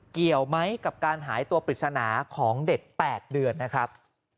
เกี่ยวไหมกับการหายตัวปริศนาของเด็ก๘เดือนนะครับ